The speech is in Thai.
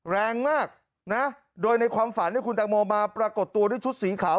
แรงมากนะโดยในความฝันคุณตังโมมาปรากฏตัวด้วยชุดสีขาว